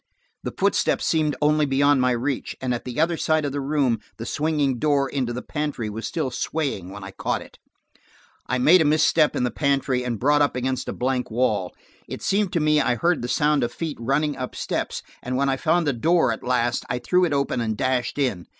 The footsteps seemed only beyond my reach, and at the other side of the room the swinging door into the pantry was still swaying when I caught it. I made a misstep in the pantry, and brought up against a blank wall. It seemed to me I heard the sound of feet running up steps, and when I found a door at last, I threw it open and dashed in.